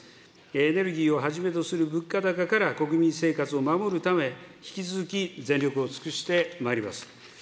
エネルギーをはじめとする物価高から国民生活を守るため、引き続き全力を尽くしてまいります。